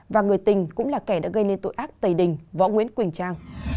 và người tình cũng là kẻ đã gây nên tội ác tây đình võ nguyễn quỳnh trang